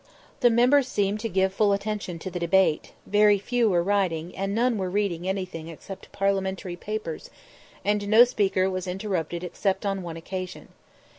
"] The members seemed to give full attention to the debate; very few were writing, and none were reading anything except Parliamentary papers, and no speaker was interrupted except on one occasion.